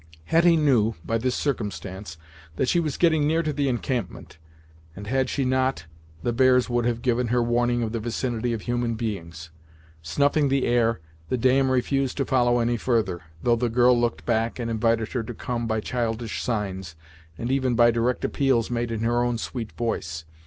Hetty knew, by this circumstance, that she was getting near to the encampment, and had she not, the bears would have given her warning of the vicinity of human beings. Snuffing the air, the dam refused to follow any further, though the girl looked back and invited her to come by childish signs, and even by direct appeals made in her own sweet voice.